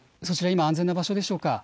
今、安全な場所でしょうか。